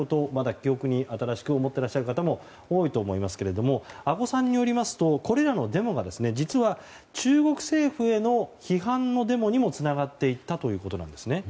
記憶に新しく思っていらっしゃる方も多いと思いますけども阿古さんによりますと実は中国政府への批判のデモにもつながっていったということなんです。